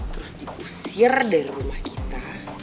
terus diusir dari rumah kita